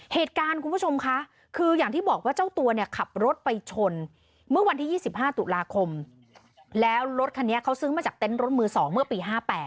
คุณผู้ชมค่ะคืออย่างที่บอกว่าเจ้าตัวเนี่ยขับรถไปชนเมื่อวันที่๒๕ตุลาคมแล้วรถคันนี้เขาซื้อมาจากเต็นต์รถมือ๒เมื่อปี๕๘